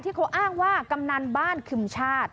เขาอ้างว่ากำนันบ้านคึมชาติ